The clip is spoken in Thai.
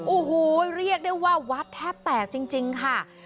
โอ้โหเรียกได้ว่าวัดแทบแตกจริงค่ะ